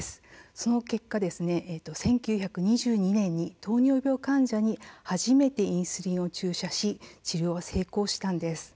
その結果、１９２２年に糖尿病患者に初めてインスリンを注射し、治療は成功したんです。